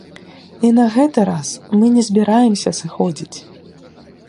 І на гэты раз мы не збіраемся сыходзіць!